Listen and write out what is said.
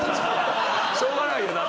しょうがないよな。